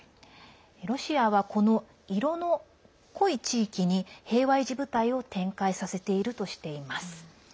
ロシアは、この色の濃い地域に平和維持部隊を展開させているとしています。